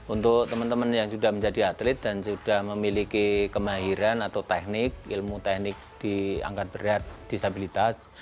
untuk teman teman yang sudah menjadi atlet dan sudah memiliki kemahiran atau teknik ilmu teknik di angkat berat disabilitas